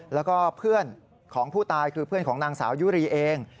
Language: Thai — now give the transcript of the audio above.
แล้วก็เพื่อนของผู้ตายคือเพื่อนของนางสาวยุรีเอง